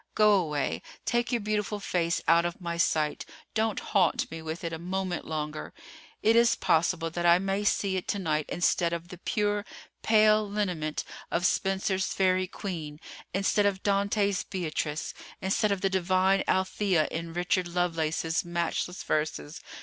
Go away, take your beautiful face out of my sight; don't haunt me with it a moment longer. It is possible that I may see it to night instead of the pure, pale lineament of Spenser's Faerie Queene—instead of Dante's Beatrice—instead of the divine Althea in Richard Lovelace's matchless verses.